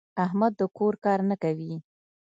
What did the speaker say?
احمد د کور کار نه کوي.